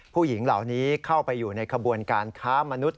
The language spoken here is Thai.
ผู้หญิงเหล่านี้เข้าไปอยู่ในขบวนการค้ามนุษย